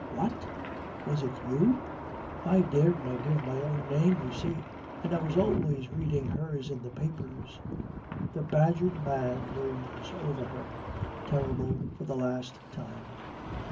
'Wha t! Was it you?' 'I daredna give my own name, you see, and I was always reading hers in the papers.' The badgered man looms over her, terrible for the last time.